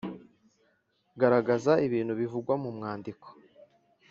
Garagaza ibintu bivugwa mu mwandiko